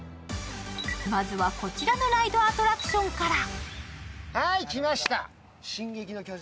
まずは、こちらのライドアトラクションから。